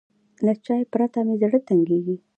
له چای پرته مې زړه تنګېږي.